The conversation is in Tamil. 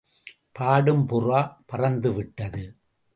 பாடும் புறா பறந்துவிட்டது!